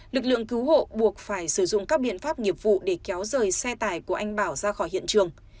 lực lượng cứu hộ buộc phải sử dụng các biện pháp nghiệp vụ để kéo rời xe tải của anh bảo ra khỏi hiện trường